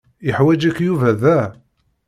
Yeḥwaǧ-ik Yuba da.